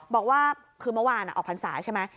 บอกว่าคือเมื่อวานออกพรรษาใช่ไหม